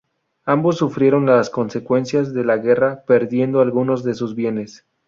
Ambos sufrieron las consecuencia de la guerra, perdiendo algunos de sus bienes.